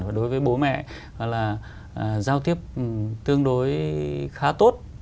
và đối với bố mẹ là giao tiếp tương đối khá tốt